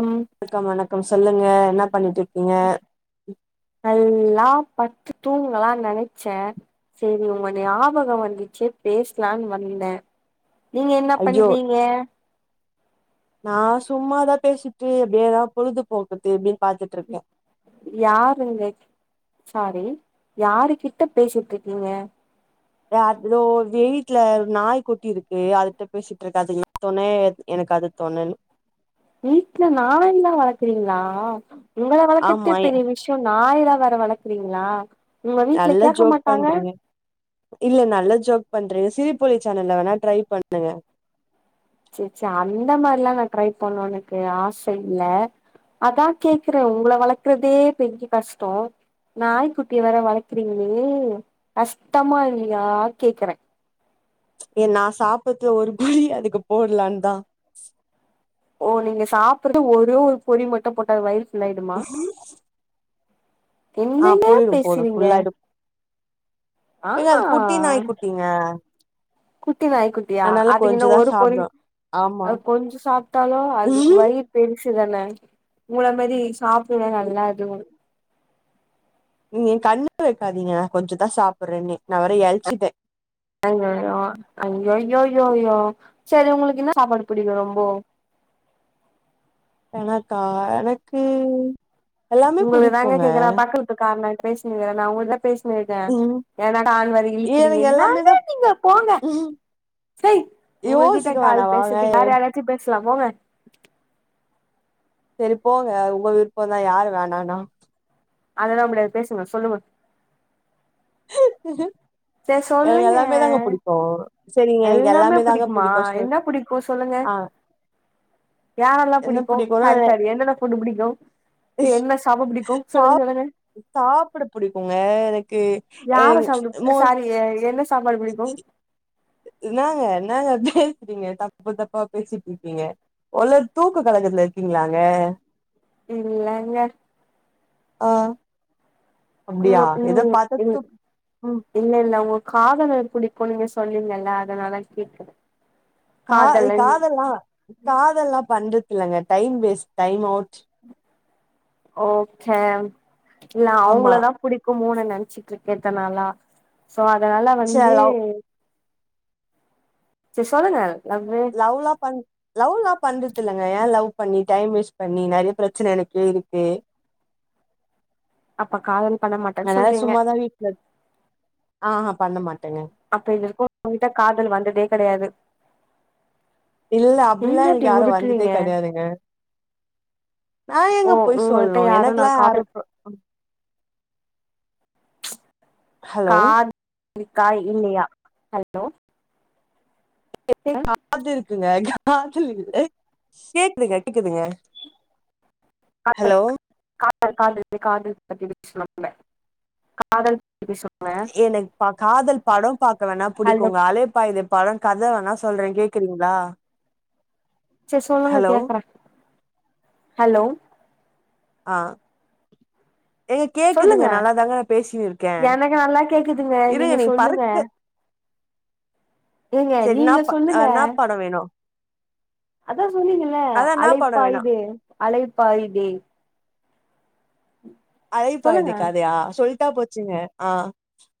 ம் வணக்கம் வணக்கம் சொல்லு ங்க இன்னா பண்ணிட்டுருக்கீங்க பத்து தூங்கலா நெனைச்சே செரி உங்க ஞாபகோ வந்துச்சு பேசலான் வந்த நீங்க என்ன பண்றீங்க நா சும்மாதா பேசிட்டு எப்டி எதா பொழுதுபோக்குற்து எப்டீன் யார் இங்க சாரி யாரு கிட்ட பேசிட்டுருக்கீங்க அ தோ வீட்ல ஒரு நாய் குட்டி இருக்கு அதுட்ட பேசிட்டுருக்க அது எனக் துணை எனக்கு அது தொணன் வீட்ல நாய்ல்லா வளக்கறீங்களா உங்கள வளக்கற்தே ஆமா எ- பெரிய விஷ்யோ நாய் வேற வளர்க்குறீங்களா உங்க வீட்டுல நல்ல கேட்க ஜோக் மாட்டாங்க பண்றீங்க இல்ல நல்லா ஜோக் பண்றீங்க சிரிப்பொழி சேனல்ல வேணா டரை பண்ணுங்க சே சே அந்த மாதிரி எல்லாம் நான் ட்ரை பண்ணனும் எனக்கு ஆசை இல்ல அதா கேக்குறேன் உங்களை வளர்க்கறதே பெரிய கஷ்டம் நாய்க்குட்டிய வேர வளர்க்கறீங்களே கஷ்டமா இல்லையா கேக்குறேன் ஏன் நா சாப்படுதுல ஒரு குலி அதுக்கு போடலான் தா ஓ நீங்க சாப்படுறது ஒரு ஒரு பொறி மட்டும் போட்டு வயிறு புல்லாகிடுமா ஆ என்னங்க போயிடு போது பேசிறீங்க ஃபுல்லாயிடு ஏங்க அது குட்டி நாய்க் குட்டிங்க குட்டி நாய்க் குட்டியா அதனால அதுக்கு என்ன கொஞ்சதா ஒரு பொரு சாப்டு ஆமா கொஞ்சம் சாப்பிட்டாலும் அதுக்கு வயிறு பெருசு தானே உங்கள மாதரி சாப்ப நல்லா அது ஏ கண்ணு வைக்காதீங்க கொஞ்சதா சாப்பிடுறேன்னு நான் வர எழுச்சிட்டேன் அயயயோ அயோயோயோயோ சரி உங்களுக்கு என்ன சாப்பாடு பிடிக்கும் ரொம்ப எனக்கா எனக்கு எல்லாமே உங்களுக்கு தாங்க புடிக்குங்க கேக்குறா பக்கலத்துக்கு காரண பேசிஇருக்கிற நா உங்கல பேச க்க ம் ஏன்னாட்ட ஆண் வர இழுக்கிறீங்க எனக்கு எல்லாமே தா எண்ணாக நீங்க போங்க ம் சய் உங்ககிட்ட யோசிக்க வேணா கால் வாங்க பேசறதுக்கு வேற யாராச்சும் பேச பேசசலாபோங்க சரி போங்க உங்க விருப்போன்தா யாரு வேணாம்னா அதெல்லாம் முடியாது பேசுங்க சொல்லுங்க [inaudible] சரி எனக்கு சொல்லுங்க எல்லாமே தாங்க புடிக்கு செரிங்க எனக்கு எல்லாமே தாங்க பிடிக்குமா புடிக்கு சொ என்ன பிடிக்கும் சொல்லுங்க ஆ யாரெல்லாம் என்ன பிடிக்கும் புடிக்குனா சாரி சாரி என்னென்ன புட்டு பிடிக்கும் சரி என்ன சாப்பிட பிடிக்கும் சொல்லுங்க சாப் சொல்லுங்க சாப்புட புடிக்குங்க எனக்கு எ யாரா சாப்பிட மோஸ் சாரி என்ன சாப்பாடு பிடிக்கும் என்னங்க என்னங்க பேசுறீங்க தப்பு தப்பா பேசிட்டு இருக்கீங்க மொதல்ல தூக்க கலகத்துல இருக்கீங்களாங்க இல்லங்க ஆஹ் உம் உ தூக் ம் இல்ல இல்ல உங்க காதல பிடி கும் சொன்னீங்கல்ல அதனாலா கேட்குற கா காதெல்லாம் காதலல்லாம் பண்ற இல்லங்க time waste time out okay இல்ல ஆமா அவங்களதா புடிக்கும் மூணு நினைச்சிட்டு இருக்கேதனாளா சோ அதனால ச வந்து லவ் சே சொல்லுங்கள் லவ் லா பண் லவ்லா பண்றதில்லங்க ஏ லவ் பண்ணி டைம் வேஸ்ட் பண்ணி நெறைய பிரச்சன எனக்கே இருக்கு அப்ப காதல் பண்ண மாட்டன் அதனால சொல்றிங்க சும்மாதா வீட்ல ஆஹா பண்ண மாட் அப்ப இது வருக்கு உங்கிட்ட காதல் வந்ததே கெடையாது இல்ல அப்டில்லா நீங்க இப்டி எனக்கு யாரும் வந்ததே உருட்டுறீங்க கெடையாதுங்க நா ஓ ஏங்க போய் உங்ககிட்ட சொல்ணு யாரு நா எனக்லா யாரு காதல் ப்ர ஹலோ காதல் இருக்கா இல்லயா ஹலோ காத்து இருக்குங்க ஆஹ் சொல்லுங்க [unintelligible] கேக்குதுங்க கேக்குதுங்க ஹலோ [unintelligible] காதல் எப்படி சொல்ர எனக்கு பா காதல் பாடம் பாக் வேணா புடிக்குங்க அலைபாயுதே பட கதை வேணா சொல்றே கேக்குறீங்களா செரி சொல்லுங்க ஹலோ கேக்கற ஹலோ ஆஹ் சொல்லுங்க எனக்கு நல்லா கேக்குதுங்க இருங்க நீங்க சொல்லுங்க பறக்கு ஏங்க சரி என்னா நீங்க ப சொல்லுங்க என்னா படம் வேணு அதா சொன்னீங்கல்ல அதா என்னா படம் வேணு அலைப்பாயுதே அலைப்பாயுதே சொல்லுங்க அலைபாயுதே கதையா சொல் லிட்டா போச்சுங்க ஆ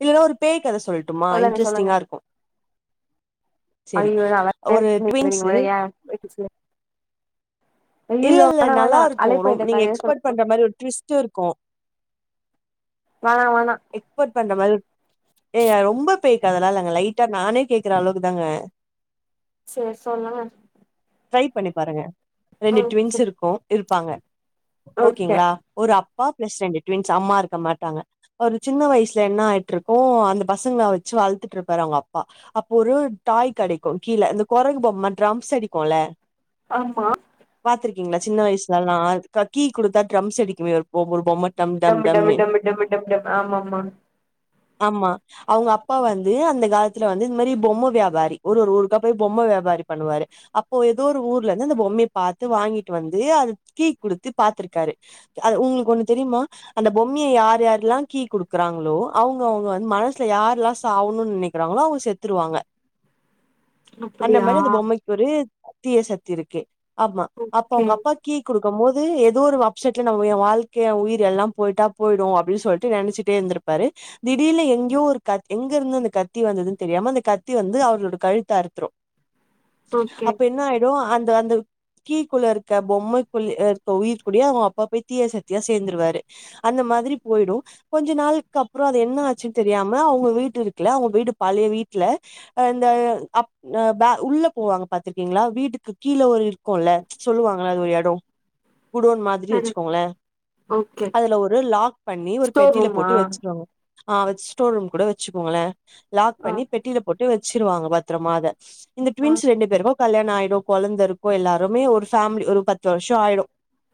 இல்லன்னா ஒரு பேய் கதை சொல்ட்டுமா சொல்லுங்க சொல்லுங்க இன்டரஸ்டிங்கா இருக்கு சரி ஒரு ட்வின்ஸு [unintelligible] இல்ல ஐயையோ இல்ல வேணா நல்லா வேணா இருக்கும் ரொ அலைப்பாயுதே நீங்க கதையே சொல் எக்ஸ்பெட் பண்ற மாரி ஒரு ட்விஸ்ட்டு இருக்கு வேணா வேணா எக்ஸ்பெக்ட் பண்ற மாரி இருக் ஏங்க அது ரொம்ப பேய் கதல்லா இல்லங்க லைட்டா நானே கேக்குற அளவுக்கு தாங்க சேரி சொல்லுங்க ட்ரை பண்ணி பாருங்க ரெண்டு ம் ட்வின்ஸ் செரி இருக்கு இருக் ப்பாங்க ஓகே ஓக்கேங்குளா ஒரு அப் பா பிளெஸ் ரெண்டு ட்வின்ஸ் அம்மா இருக்க மாட்டாங்க ஒரு சின்ன வய்சுல என்ன ஆயிட்டு இருக்கூ அந்த பசுங்காள வச்சு வள்த்துட்டு இருப்பாரு அவுங்க அப்பா அப்போ ஒரு டாய் கடைக்கூ கீழ இந்த குரங்கு பொம்ம டரம்ஸ் அடிக்குல்ல ஆமா ங்கிளா சின்ன வயசுல எல்லா கீ குடுத்தா ட்ரம்ஸ் எடிக்குமே ஒவ்வொரு பொம்ம டம் டம் டம்மு டம்மு டம்னு டம்மு டம்மு டம்டம் ஆமா ம்மா ஆமா அவுங்க அப்பா வந்து அந்த காலத்துல வந்து இந்த மாரி பொம்ம வியாபாரி ஒர் ஒரு ஊருக்கா போய் பொம்ம வியாபாரி பண்ணுவாரு அப்போ எதோ ஒரு ஊர்ல இருந்து அந்த பொம்மையை பாத்து வாங்கிட்டு வந்து அதுக் கீ குடுத்து பாத்துருக்காரு அது உங்குளுக்கு ஒண்ணு தெரியுமா அந்த பொம்மைய யார் யாரெல்லா கீ குடுக்குறாங்குளோ அவுங்க அவுங்க வந்து மனசுல யாரெல்லா சாவுன்னு நினைக்கிறாங்குளோ அவுங் செத்துருவாங்க அந்த அப்டியா மாரி அந்த பொம்மைக் ஒரு திய சக்தி இருக்கு அம்மா அப்ப ஓகே அவுங்க அப்பா கீ குடுக் க்கும் போது ஏதோ ஒரு அப்சட்ல ஏ வாழ்க்க உயிர்ல்லாம் போயிட்டா போயிடு அப்டி சொல் ட்டு நெனச்சிட்டே இருந்திருப்பாரு திடீர்ல எங்கியோ ஒரு காத் எங்க இருந்து அந்த கத்தி வந்ததுனு தெரியாம அந்த கத்தி வந்து அவுருளோடு கழுத் அறுத்துரும் ஓகே அப்ப என்ன ஆயிடு அந் இத அந்து கீக்குல்ல இருக்க பொம்மைக்குள் இருக்க உயிர் கூடயே அவுங்க அப்பா போய் தீய சத்தியா சேந்துருவாரு அந்த மாரி போயிடு கொஞ்சோ நாளுக் கப்றோ அது என்ன ஆச்சுன் தெரியாம அவுங்க வீட் இருக்குல அவ வீடு பாளைய வீட்டுல ஹ இந்த அப் ஹ பே உள்ள போவாங்க பாத்திருக்கீங்குளா வீட்டுக்கு கீழே ஒரு இருக்குல்ல சொல்லுவாங்குள அது ஒரு இடோ குடோன் மாதிரி சரி வெச்சுக்கோங்குளே ஓகே அதுல ஒரு லாக் பண்ணி ஒர் ஸ்டோர் பெட்டில ரூமா போட்டு வெச்சுருவாங் ஆஹ் வெஸ்டோர் ரூம் கூட வெச்சுக்கோங்குளே லாக் ஆ பண்ணி பெட்டில போட் ட்டு வெச்சுருவாங்க பத்தரமா அத இந்த ஆ ட்வின்ஸ் ரெண்டு பேருமே கல்யாண ஆயிடு கொழந்த இருக்கூ எல்லாருமே ஒரு ஃபேமிலி ஒரு பத்து வருஷ்ஷோ ஆயிடு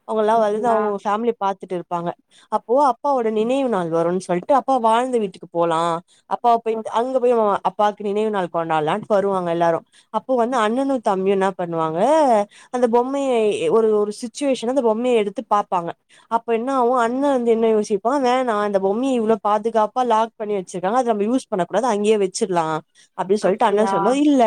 அவுங்கல்லா வளந்து அப்டியா அவுங் அவுங் ஃபேமிலி பாத் த்துட்டு இருப்பாங்க அப்போ அப்பாவோட நெனைவு நாள் வருனு சொல்ட்டு அப்பா வாழ்ந்த வீட்டுக்கு போலா அப்பாவ் ஓ போயிட்டு அங்கு போய் [unintelligible] பாத்து நெனைவு நாள் கொண்டாடலா வருவாங்க எல்லாரு அப்போ வந்து அண்ணனு தம்பயு இன்னா பண்ணுவாங்க அந்த பொம்மய ஒரு ஒரு சிச்சுவேஷன்லருந்து அந்த பொம்மய எடுத்து பாப்பாங்க அப்ப என்ன ஆகூ அண்ண வந்து என்ன யோசிப் ப்ப வேணா இந்த பொம்மய இவ்ளவ் பாதுகாப்ப லாக் பண்ணி வச்சுக்கலா அத நம்ம யூஸ் பண்ண கூடாது அங்கயே வச்சிட்லா அப்படின்னு சொல்ட்டு அண்ண அப்டியா சொல்ம்போது இல்ல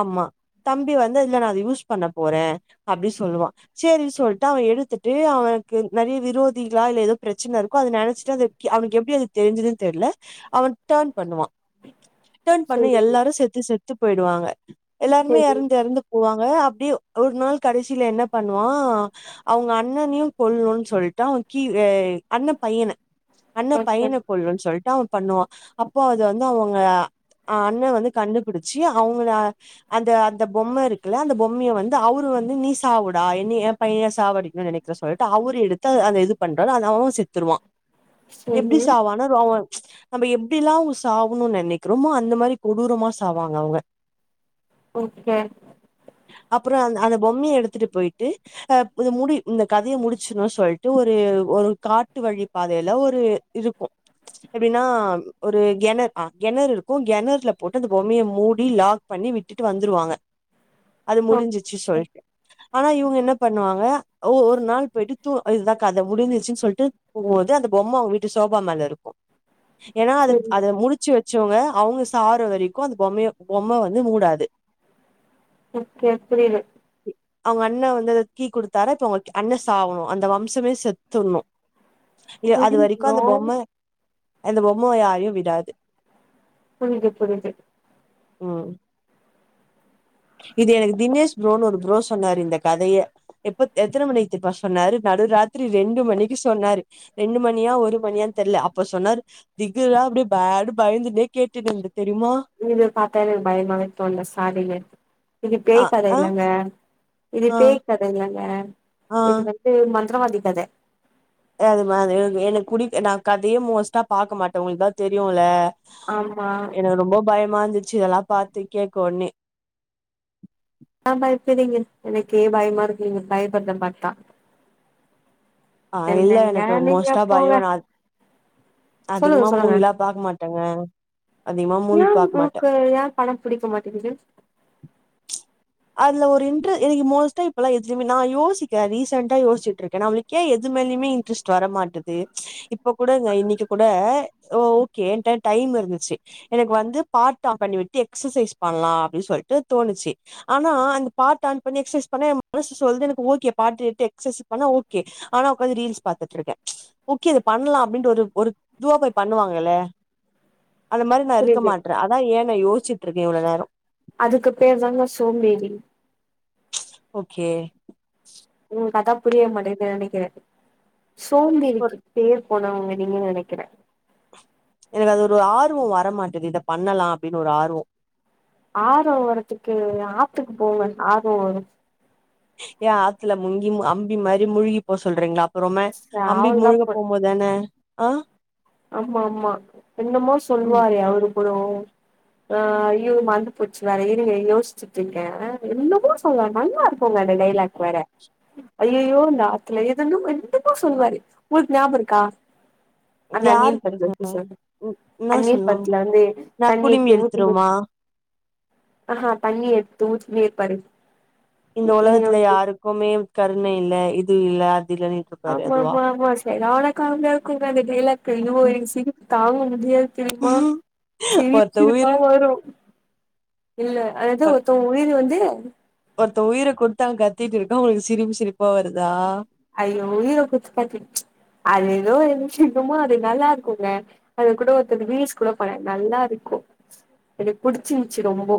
ஆமா தம்பி வந்து இதுல நா அத யூஸ் பண்ண போறே அப்படி சொல்லுவா சேரின்னு சொல்ட்டு அவ எடுத்துட்டு அவனுக்கு நெறைய விரோதிகளா இல்ல ஏதோ பிரச்சன ரு அத நெனச்சுட்டு அவனுக்கு எப்டி அது தெரிஞ்சதுன்னு தெர்ல அவன் டர்ன் பண்ணுவா டர்ன் பண்ண செரி எல்லாரு செத்து செத் த்து போய்டுவாங்க எல்லாருமே செரி எறந்து எறந்து போவாங் அப்டியே ஒரு நாள் கடைசில என்ன பண்ணுவா அவங்க அண்ணனையு கொல்ணுன் சொல்ட்டு அவ கீரேய் அண்ண பையன அண்ண ஓகே பையன கொல்லுன் சொல்ட்டு அவ பண்ணுவ அப்போ அது வந்து அவங்க அண்ண வந்து கண்டுபிடிச்சு அவங்கள அந்த அந்த பொம்மருக்குல்ல அந்த பொம்மையை வந்து அவரு வந்து நீ சாவுடா என்ன ஏன் பையன சாவடிக்க நெனக்கிற சொல்ட்டு அவரு எடுத்து அத அந்த இது பண்றாரு அவ செத் திருவா எப்டி செரி சாவானா ர நம்ம எப்டிலா அவங்க சாவணும்னு நெனக்கிறோமோ அந்த மாரி கொடூரமா சாவாங்க அவங்க ஓகே அப்புற அந்த பொம்மைய எடுத்துட்டு போயிட்டுஅ முடி இந்த கதைய முடிச்சுனு சொல்ட்டு ஒரு ஒரு காட்டு வழி பாதய்ல ஒரு இருக்கும் எப்படின்னா ஒரு கெண கெணர் ருக்கும் கெணர்ல போட்டு அந்த பொம்மைய மூடி லாக் பண்ணி விட்டுட்டு வந்துருவாங்க அது முடிஞ்சிச்சு ஓ சொல்டு ஆனா இவங்க என்ன பண்ணுவாங்க ஒரு நாள் போயிட்டு தூ இதுதா கத முடிஞ்ச்சுன்னு சொல்ட்டு போகும்போது அந்த பொம்மை அவங்க வீட்டு சோபா மேல இருக்கு ஏன்னா அது செரி அத முடிச்சு வச் ச்சங்க அவங்க சாஹ்ற வரக்கு அந்த பொம்மைய பொம்மை வந்து மூடாது ஓகே புரியுது அவங்க அண்ண வந்து அத கீ குடுத்தார இப்ப அவங்களுக்கு அண்ண சாகணும் அந்த வம்சமே செத்துட்ணு இ அது வரைக்கு ஐயயோ அந்த பொம்ம அந்த பொம்மயாரயு விடாது புருஞ்சது புருஞ்சது உம்ஹ் இது எனக்கு தினேஷ் ப்ரோன்னு ஒரு பு்ரோ சொன்னாரு இந்த கதைய எப்ப எத்தன மணிக்குப்ப சொன்னாரு நடு ராத்திரி ரெண்டு மணிக்கு சொன்னாரு ரெண்டு மணியா ஒரு மணியான்னு தெர்ல அப்ப சொன்னாரு திகிலா அப்டியே பேன்னு பயந்துன்னே கேட்டுட்டு இருந்த இவிங்ல பாத்தாலே எனக்கு பயமாவே தோண்ல சாரிங்க இது அ பேய் கத அ இல்லங்க இது ஆ பேய்கத இல்ல வேற ஆ இது வந்து மண் விக்கிரவாண்டி கத அதுமா அ எனக்கு குடி நா கதையே மோஸ்ட்டா பாக்க மாட்ட உங்களுக்குதா தெரியுல ஆமா எனக்கு ரொம்ப பயமா ருந்து இதெல்லாம் பார்த்து கேட்க்கவோனே யே பயப்பறீங்க எனக்கே பயமா இருக்கு நீங்க பயப்பறதபாத்தா ஆஹ் இல்ல எனக்கு மோஸ்டா போங்க பயம் நான் அதிகமா மூவிலாம் பாக்கமாட்டேன் ட்டங்க ஏன் உனக்கு ஏ படம் புடிக்க மாட்டேங்குது அதுல ஒரு இன்டர் எனக்கு மோஸ்ட்டா இப்பல்லாம் எதுலுமே நான் யோசிக்கேன் ரீசன்டா யோசிச்சிட்டுருக்கேன். நம்மளுக்கேன் எது மேலயுமே இன்ட்ரெஸ்ட் வர மாட்டேது இப்ப கூட இன்னக்கி கூட ஓ கேட்ட டைம் இருந்துச்சு எனக்கு வந்து பாட் ஆஃப் பண்ணிவிட்டு எக்சசைஸ் பண்ணலா அப்படின்னு சொல்லிட்டு தோணுச்சு ஆனா அந்த பாட் ஆன் பண்ணி எக்சசைஸ் பண்ண மனசு சொல்து எனக்கு ஓகே பாட்டு கேட்டு எக்சசைஸ் பண்ணா ஓகே ஆனா உக்காந்து ரீல்ஸ் பாத்துட்டுருக்கேன் ஓகே அது பண்ணலா அப்படனு ஒரு ஒரு இதுவா போய் பண்ணுவாங்கல்ல அந்த மாரி நா இருக்க புரியுது மாட்ற அதா ஏன்னு நா யோசி ச்சிட்டு இருக்க இவ்ளோ நேர அதுக்கு பேர்தாங்க சோம்பேறி ஓகே உனக்கு அதா புரிய மாட்டேங்குது நெனைக்கிறே சோம்பேறிக்கு பேர் போனவங்க நீங்கனு நெனைக்கிற எனக்கு அது ஒரு ஆர்வம் வர மாட்டது இத பண்ணலா அப்டின்னு ஒரு ஆர்வம் ஆர்வம் வரத்துக்கு ஆத்துக்கு போங்க ஆர்வம் வரு ஏ ஆத்துல முங்கி அம்பி மாரி முழுகி போ சொல்றீங்ளா ரொம அம்பி அவளதா முழுக போ போம்போதுதான ஆஹ ஆமா ஆமா என்னமோ ம் சொல்லுவாரு அவுருகுரோ ஆஹ் ஐய்யோ மறந்து போச்சு வேற இருங்க யோசிச்சுட்டுயிருக்கேன் என்னமோ சொல்லுவா நல்லா இருக்குங்க அந்த டைலாக் வேற. ஐய்யோ இ இந்த ஆத்துல ஏதுன்னும் எந்த போரும் சொல்லுவாரு உங்களுக்கு ஞாபம் இருக்கா அந்த யாரு அந்நியன் படத்துல இருக்கு [unintelligible] சார் என்ன அந்நியன் சொன்னாங்க படத்துல வந்து நான் தண்ணி குடிமி எடுத்து ஊத்தினு எடுத்தருனுமா ஆஹா தண்ணியெடுத்து ஊத்தினே இருப்பாரு இந்த உலகத்துல ஊத்தினே யாருக்குமே கருணை இல்ல இது இல்ல இல்லன்னுட்டு இருப்பாரு ஆமா அதுவா ஆமா ஆமா செரியான காமெடியா இருக்குங்கா அந்த டயலாக் எனக்கு சிரிப்பு தாங்க முடியாது தெரியுமா சிரிப்பு ஒருத்த சிரிப்பா உயிரு வரும் இல்ல அதனாலதா ஒ ஒருத்தவங்க உயிர் வந்து [unintelligible] ஒருத்த உயிர கொடுத்து அங்க கத்திட்டு இருக்கா உனக்கு சிரிப்பு சிரிப்பா வருதா ஐயோ உயிரோ குடுத்து கத்திட் ச்சு அது ஏதோ [unintelligible] அது நல்லா இருக்குங்க அது கூட ஒருத்தது ரீல்ஸ் கூட பண்ணார் நல்லா இருக்கும் அது புடிச்சிருச்சு ரொம்ப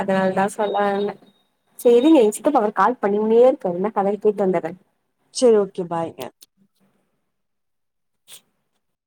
அதனால ம் தான் சொல்லனுருந்தே செரிங்க என் சித்தப்பா வேற கால் பண்ணிணேருக்காரு என்ன கதையுனு கேட்டு வந்தறேன் செரி ஓகே பாய்ங்க [unintelligible]